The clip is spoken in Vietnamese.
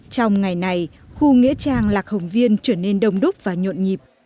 trong ngày này khu nghĩa trang lạc hồng viên trở nên đông đúc và nhộn nhịp